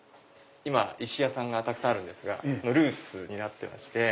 石屋さんがたくさんあるんですがそのルーツになってまして。